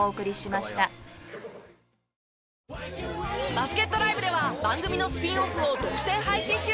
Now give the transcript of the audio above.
バスケットＬＩＶＥでは番組のスピンオフを独占配信中。